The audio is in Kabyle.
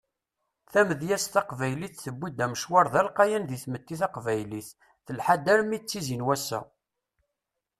Tamedyazt taqbaylit tewwi-d amecwar d alqayan di tmetti taqbaylit telḥa-d armi d tizi n wass-a.